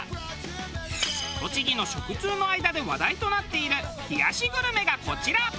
栃木の食通の間で話題となっている冷やしグルメがこちら。